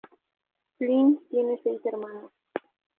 Flynn tiene seis hermanos.